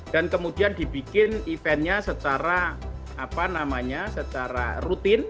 dan kemudian dibikin eventnya secara rutin